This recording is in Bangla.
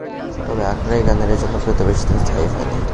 তবে আখড়াই গানের এ জনপ্রিয়তা বেশি দিন স্থায়ী হয়নি।